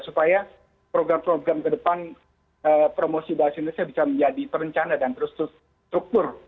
supaya program program ke depan promosi bahasa indonesia bisa menjadi perencana dan terus terstruktur